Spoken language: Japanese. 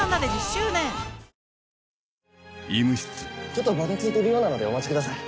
ちょっとバタついてるようなのでお待ちください。